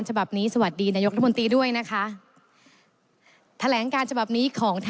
ฉบับนี้สวัสดีนายกรัฐมนตรีด้วยนะคะแถลงการฉบับนี้ของ